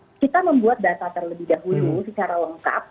nah kita membuat data terlebih dahulu secara lengkap